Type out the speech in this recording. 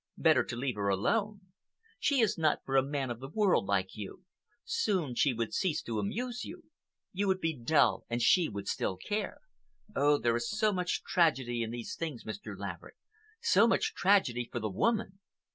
Better to leave her alone. She is not for a man of the world like you. Soon she would cease to amuse you. You would be dull and she would still care. Oh, there is so much tragedy in these things, Mr. Laverick—so much tragedy for the woman!